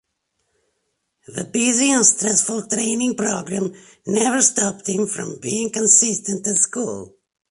The busy and stressful training program never stopped him from being consistent at school.